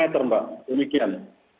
jadi ini adalah hal yang sangat diperhatikan